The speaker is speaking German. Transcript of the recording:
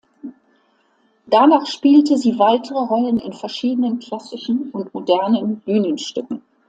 Danach spielte sie weitere Rollen in verschiedenen klassischen und modernen Bühnenstücken.